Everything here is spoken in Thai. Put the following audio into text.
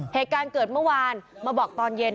เหตุการณ์เกิดเมื่อวานมาบอกตอนเย็น